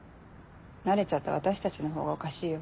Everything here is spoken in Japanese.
慣れちゃった私たちのほうがおかしいよ。